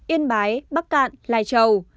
yên bái bắc cạn lai châu